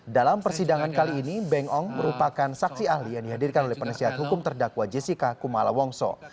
dalam persidangan kali ini beng ong merupakan saksi ahli yang dihadirkan oleh penasihat hukum terdakwa jessica kumala wongso